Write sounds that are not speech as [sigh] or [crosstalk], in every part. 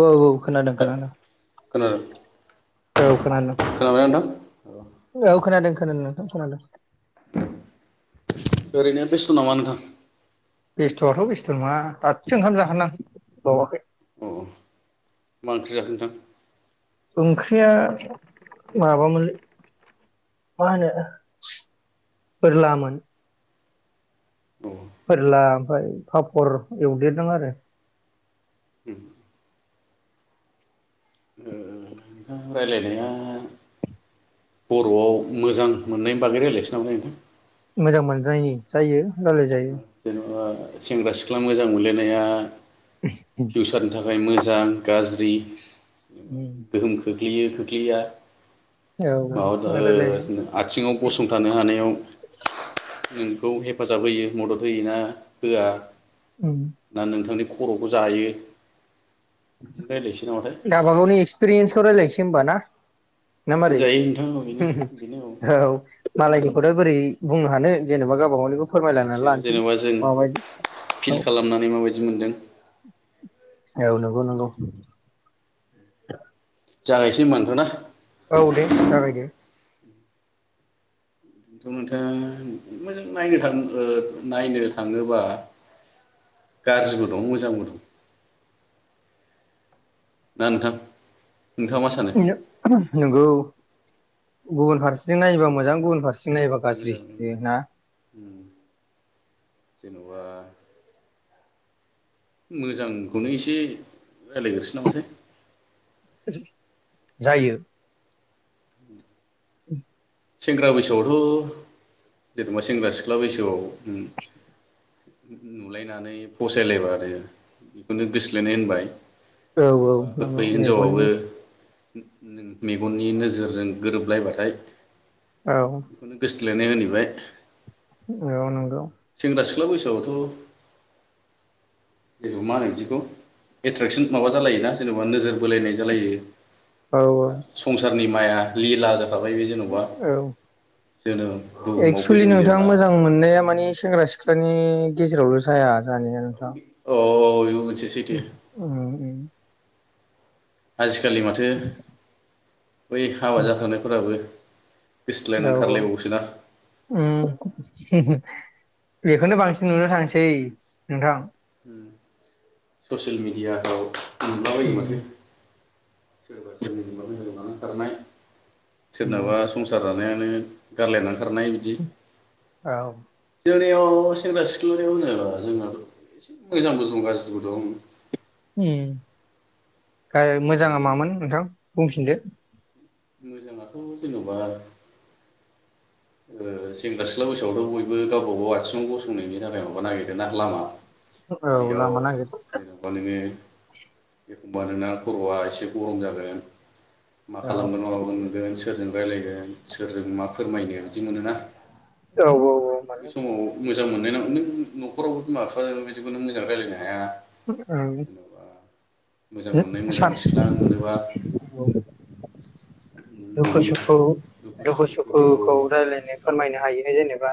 औ औ खोनादों खोनादों खोनादों औ खोनादों खोनाबायना नोंथां औ औ मोजां खोनादों खोनादों खोनादों ओरैनो बेस्थ नामा नोंथां बेस्थ'आथ' बेस्थ' नङा दादसो ओंखाम जाखांनानै बावाखै । अ मा ओंख्रि जाखो नोंथां? ओंख्रिया माबामोनलै मा होनो फोर्ला मोन । फोरला ओमफ्राय पापर एवदेरदों आरो । नोंथां रायजलायनाया बर'आव मोजां मोननायनि बागै रायज्लायसो नामा नोंथां । मोजां मोननायनि जायो रायलाय जायो । जेनेबा सेंग्रा सिख्ला मोजां मोनलायनाया फिउसारनि थाखाय मोजां गाज्रि उम यो खोख्लैया माबा औ रायलायगोन ओ आथिङाव गसंथानो हानायाव ओम खौ हेफाजाब होयो मदद होयो ना होआ ना नोंथांनि खर'खौ जायो बिदि रायलायनोसै न? गावबागावनि एक्सपिरियेसखौ रायलायनोसै होमबा ना? ना मारै जायो नोंथां औ बेनो बेनो औ मालायनि खौ दा बोरै बुंनो हानो । जेनेबा गावबा गावनिखौ फोरमायलायनानै मिथिया लानोसै जेनेबा जों माबायदि फिल औ खालामनानै माबायदि मोनदों [inaudible] जागायनोसै होनबा नोंथां ना? औ दे जागायदो । दाथ' नोंथा मोजां नायनो थां ओ नायनो थाङोबा गाज्रिबो दं मोजांबो दं । ना नोंथां नोंथाङा मा सानो [unintelligible] नंगौ गुबुन फारसे जों नायोबा मोजां गुबुन फारसेजों नायोबा गाज्रि मोजां । बे ना? बा मोजांखौनो एसे रायलायग्रोनोसै नामाथाय जायो । [inaudible] सेंग्रा बैसोआवथ' जेनेबा सेंग्रा सिख्ला बैसोआव उम नुलायनानै फसायलायबानो बेखौनो गोस्थोलायनाय होनबाय । औ औ नंगौ मेगननि मेगननि नोजोरजों गोरोबलायबाथाय औ थोलायनाय होनहैबाय। औ नंगौ आवथ' मा होनो बिदिखौ एट्रेकसन माबा जालायोना जेनेबा बा नोजोर बोलायनाय जालायो। औ औ संसारनि माया लिला थाबाय बि जेन'बा। जोनोम बुहुमाव एक्सुवेलि फैदों नोंथां जेब्ला मोजां मोननाया माने सेंग्रा सिख्ला नि गेजेरावल' जाया। जानाया नोंथां अ [unintelligible] उम उम उम आजि खालि माथो बै हाबा जाखानायफोराबो औऔ उम [unintelligible] बेखौनो बांसिन नुनो थांसै नोंथां। ससियेल मिडियाखौ नुलाबायो उम माथो सोरबा सोरनिखौबा [unintelligible] खारनाय उम सोरनाबा संसारा नायानो गारलायनानै खारनाय इदि औ उम [unintelligible] याव सेंग्रा सिख्लानियाव होनोबा जोंहाथ' एसे मोजांबो दं गाज्रिबो दं। उम [unintelligible] जेन'बा मोजाङा नोङो मामोन नोंथां बुंफिनदो। मोजाङाथ' जेन'बा ओ सेंग्रा सिख्ला बैसोआवथ' बयबो गावबागाव आथिङाव गसंनायनि थाखाय माबा नागिरो ना लामा औ बेयाव लामा नागिरो जेनेबा नोङो एखमबा नोंना खर'आ एसे गरम जागोन। मा औ खालामगोन मा मागोन नुगोन सोरजों रायलायगोन सोरजों मा फोरमायनो बिदि मोनोना । औ औ । बे समाव मोजां मोन [unintelligible] नों नख'रावबो बिमा-बिफाजों बिदिखौ नों मोंजां रायज्लायनो हाया । मानो जेन'बा मोजां मोननाय मोजां सान सिख्ला मोनोबा नोंनि दुखु-सुखु दुखु सुखुखौ दुखु-सुखुखौ रायलायनो फोरमायनो हायोहाय जेने बा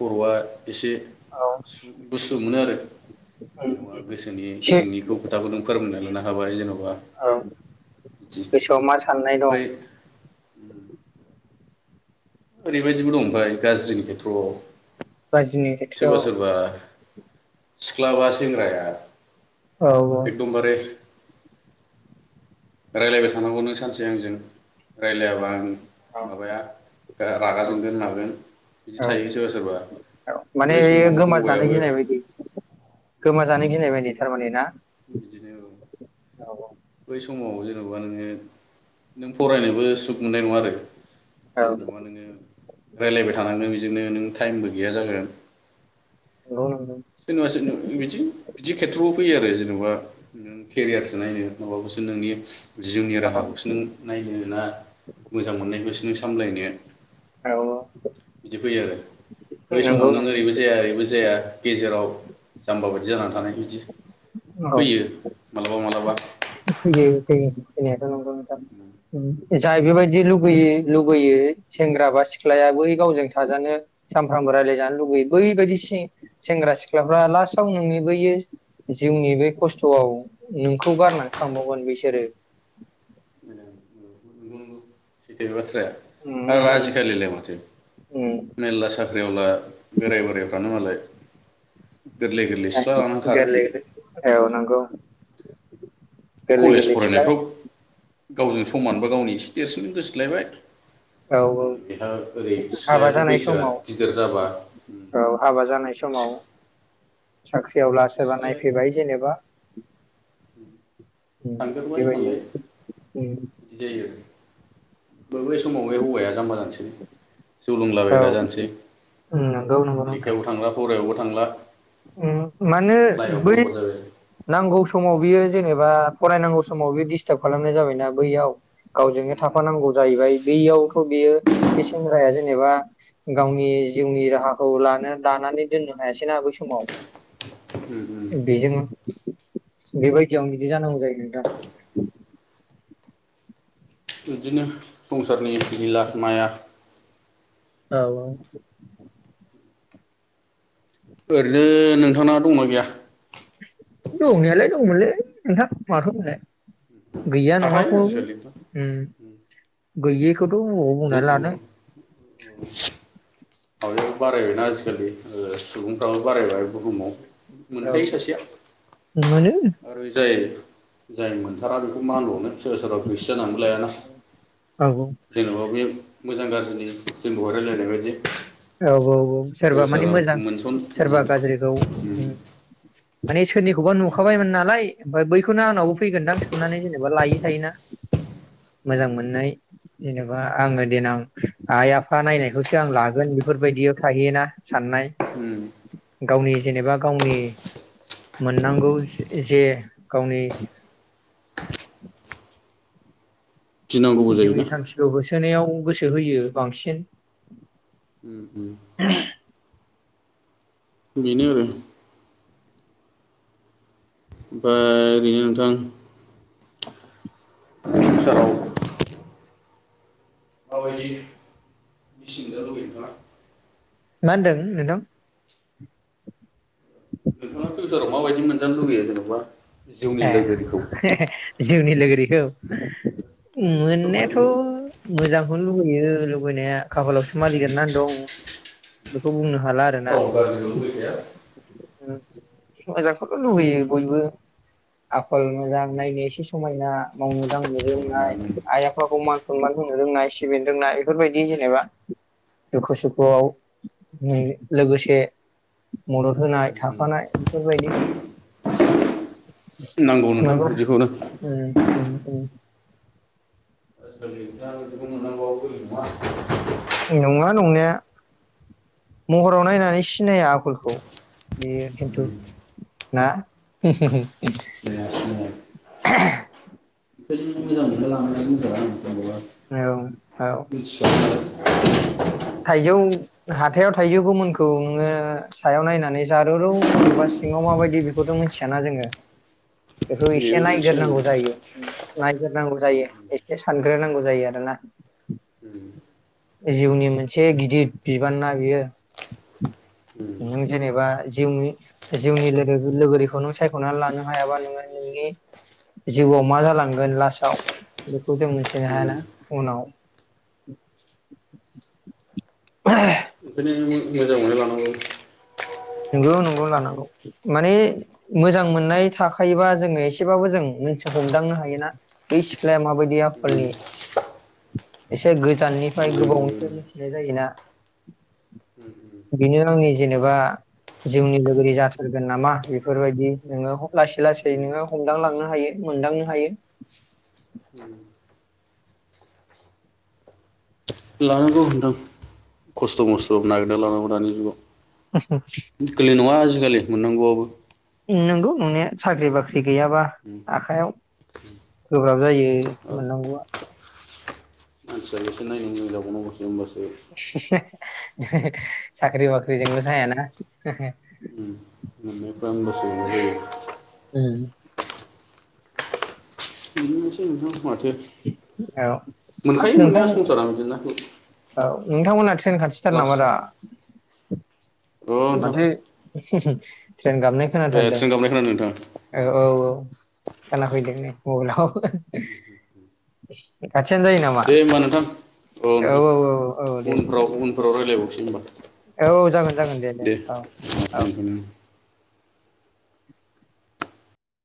उम [unintelligible] एसे औ गुसु मोनो आरो । जेने'बा गोसोनि एसे सिंनिखौ खोथाखौ नों फोरमायनाय नो हाबाय जेनबा औ बिदि गोसोआव मा साननाय दं? ओमफ्राय [inaudible] ओरैबायदिबो दं ओमफ्राय गाज्रिनि खेथ्र'वाव बायजोनि खेथ्र'वाव सिख्लाबा सेंग्राया औ एकदम बारे रायज्लायबाय थानांगौनो सानसे आंजों रायज्लायाबा आं औ माबाया रागा औ जोंगोन हागोन बिदि औ थायो औ सोरबा सोरबा माने बै बेयो समावनो गोमाजानो हौवायाबो गिनाय बायदि गोमाजानो गिनाय बायदि थारमाने ना बिदिनो। औ बै समाव जेन'बा नोङो नों फरायनोबो सुख मोननाय नङा आरो। औ जेनबा नोङो। रायज्लायबाय थानांगोन बिजोंनो नों टाइमबो गैया जागोन। [unintelligible] सोरनिबा सोरनिबा बिदि बिदि खेथ्र'आव फैयो आरो। जेनेबा नों केरियारसो नायनो माबाखौसो नोंनि। जिउनि औ राहाखौसो नों नायनो ना मोजां मोननायखौसो नों स सामलायनो। औ बिदि फैयो आरो। बै समाव नंगौ नों ओरैबो जाया ओरैबो जाया। गेजेराव जाम्बा बाय जाना थानाय बिदि नंगौ औ फैयो मालाबा मालाबा। फैयो फैयो फैनायाथ' नंगौ। उम। नोंथां जाय बेबायदि लुुबैयो लुुबैयो सेंग्रा बा सिख्लाया बै गावजों थाजानो सानफ्रामबो रायलायजानो लुुबैयो, बैबायदि सेंग्रा सिख्लाफ्रा लास्टाव नोंनि बैयो जिउनि बै खस्थ'आव नोंखौ गारना- थाबावगोन बिसोरो। सि [unintelligible] बाथ्रा उम आरो उम उम आजिखालिलाय माथो मेरला साख्रियावला बोराय बोराइफ्रानो मालाय। गोरलै गोरलै सिख्ला लानानै खारो गोरलै औ नंगौ। गोरलै कलेज गोरलै सिख्ला फरायनायफ्राव। गावजों समान बा गावनि एसे देरसिनजों गोसथोलायबाय। औ ह बेहा ओरै हाबा सिख्लायाथ' जानाय बैसोआ समाव गिदिर जाबा। संख्रि ेवब्ला सोरबा [unintelligible] सिख्लाया नायफैबाय जेनेबा। उम। बेब [unintelligible] बे बै समाव बे हौवाया जाम्बा जानोसै, जौ औ लोंलाबायग्रा जानोसै उम नंगौ नंगौ नोंथां लेखायाव थांग्रा फौरायायावबो थां थांला। उम मानो लाइफआ बै बरबाद जाबाय नांगौ समाव बियो जेनेबा फरायनांगौ समाव बियो दिस्थाबखालामहरनाय जाबायना बैयाव, गावजोंनो थाफानांगौ जाहैबाय बैयाव थ' बियो बे सेंग्राया जेनेबा गावनि जिउनि राहाखौ लानो दानानै दोननो हायासैना बै समाव, आरो [unintelligible] बेजों बेबायदियाव बिदि जानांगौ जायो नोंथां। इदिनो संसारनि लिला माया औऔ ओरैनो नोंथांना दंना गैया दंनायालाय दंमोनलै नोंथां माथो बुंनो गैया थाखायो नङाखौ आजिखालि उम माबा गोयै खौथ' बबाव बुंनानै लानो माबायाबो बारायबायना आजिखालि ओ सुबुंफ्राबो बारायबाय बुहुमाव औ मोनखायो सासेया औ मोनो आरो जाय जायमोन थारा बेखौ मा होनबावनो सोरबा सोरबा गोसो जानानैबो लाया ना औ जेनेबा बे मोजां गाज्रिनि जोंदहाय राइलायनाय बायदि औ औ औ सोरबा मानि मोजां सोरबा गाज्रिखौ उम माने सोरनिखौबा बेनो आरो नुखाबायमोन नालाय ओमफ्राय बैखौनो आंनावबो फैगोनदां आ साननानै जेनेबा लायो। थायोना। मोजां मोननाय जेनेबा आङो देनां आइ आफा नायखौसो आं लागोन बेफोर बायदिबो थाहैयोना साननाय। उम। गावनि जेनेबा गावनि मोननांगौ जे गावनि गिनांगौबो जिउनि जायोना थांखिखौ होसो नायाव गोसो होयो बांसिन। उम उम बिनो आरो ओमफाय ओरैनो नोंथां [unintelligible] मा बायदि बिसि मोनजानो लुगैयो नोंथाङा? मा होनदों नोंथां। [inaudible] मा बायदि मोनजानो लुबैयो जेनेबा। ए [unintelligible] जिउनि लोगोरिखौ। एसे मोननायाथ' फोरमायदो मोजां। बेखौनो लुुबैयो लुबैनाया। खाफालावसो मा लिरनानै दं। बेखौ बुंनो हाला आरो। रावबो गाज्रिखौ लुगैखाया। मोजांखौथ लुबैयो बयबो आखल मोजां नायनो एसे समायना मावनो दांनो समायना रोंनाय नों आइ आफाखौ मान सनमान होनो रोंनाय सिबिनो रोंनाय बेफोर बायदि जेनेबा दुखु सुखुआव लोगोसे मदद होनाय। थाफानाय बेफोर बायदि। नांगौ नोंथां बिदिखौनो। उम उम उम। [inaudible] नङा नंनाया महराव नायनानै सिनाया आखलखौ बेयो उम खिन्थु ना। सिनाया सिनाया ओंखायनो [inaudible] औ औ [inaudible] थाइजौ हाथायाव थाइजौ गोमोनखौ नोंङो सायाव नायनानै जारौ नुबा सिङाव मा बायदि बेखौथ' मिथियाना जोंङो बेखौ एसे। बेबो एसे मोनसे ओं नाग्रोनांगौ जायो। नायग्रोनांगौ जायो ओंखायनो एसे सानग्रोनांगौ जायो आरोना जिउनि मोनसे एसे गिदिर बिबाना बियो नों जेनेबा जिउनि जिउनि लोगोरिखौ नों सायखनानै लानो हायाबा नोङो नोंनि जिउआव मा जालांगोन लास्टाव बेखौ जों मिथिनो हायाना उनाव। [unintelligible] [unintelligible] नंगौ नंगौ लानांगौ माने मोजां मोननाय थाखायोबा जोंङो एसेबाबो जों मिथि हमदांनो हायोना बै सिख्लाया माबायदि उम आलनि एसे गोजाननिफ्राय जों उम गोबावनिफ्राय मोनथिनाय जायोना उम बेनो आंनि जेनेबा जिउनि लोगोरि जाथारगोन नामा बेफोरबायदि नोंङो लासै लासै नोंङो हमदांलांनो हायो मोनदांनो हायो । लानांगौ नथां खस्थ मस्थ नागिरना लानांगौ दानि जुगाव । गोरलै नंङा आजिखालि मोननांगौआबो । नोंगौ नंनाय साख्रि बाख्रि गैयाबा आखाइयाव गोब्राब जायो आरो मोननांगौआ । मानसिया एसे नायनो मोजां जाबावनांगौसो होमबासो साख्रि बाख्रिजोंल जायाना मोननायफ्रा होमबासो माबा जायो उम । बिदिनोसै नोंथां माथो औ हाब मोनखायो नोंथां मोननाया संसारा बिदिना औ । नोंथांमोना ट्रेन खाथिथार नामा दा अ नोंथां माथो हु हु । [unintelligible] ट्रेन गाबनाय ए खोनाथारदों ट्रेन गाबनाय खोनादों नोंथां औ औ औ खोनाफैदों नै । औ लाव [unintelligible] [unintelligible] नामा दे होमबा नोंथां औ नोंथां औ औ दे दे उनफोराव उनफोराव रायज्लायबावसै होमबा । औ जागोन जागोन दे दे औ औ । दोनथ'नो